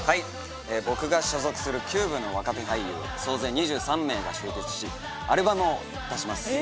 僕が所属するキューブの若手俳優総勢２３名が集結しアルバムを出します。